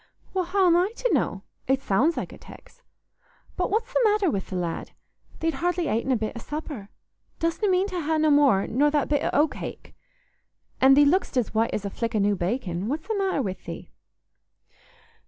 "Well, how'm I to know? It sounds like a tex. But what's th' matter wi' th' lad? Thee't hardly atin' a bit o' supper. Dostna mean to ha' no more nor that bit o' oat cake? An' thee lookst as white as a flick o' new bacon. What's th' matter wi' thee?"